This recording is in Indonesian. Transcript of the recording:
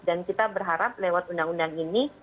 dan kita berharap lewat undang undang ini